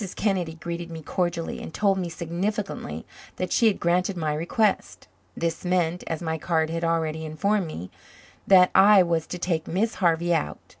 Kennedy greeted me cordially and told me significantly that she had granted my request. This meant, as my card had already informed me, that I was to take Miss Harvey out.